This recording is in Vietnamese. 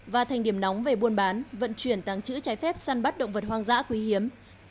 và thành điểm nóng về buôn bán vận chuyển tăng trữ trái phép săn bắt động vật hoang dã quý hiếm